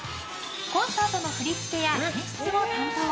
コンサートの振り付けや演出を担当。